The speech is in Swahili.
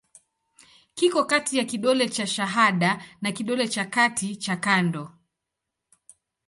Kiko kati ya kidole cha shahada na kidole cha kati cha kando.